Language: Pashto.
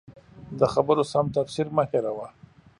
د خبرو سم تفسیر مه هېروه.